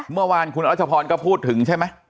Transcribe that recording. เมื่อวานคุณรัชพรก็พูดถึงใช่ไหม